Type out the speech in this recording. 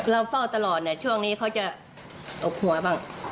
เราเฝ้าตลอดเนี่ยช่วงนี้เขาจะตกหัวบ้าง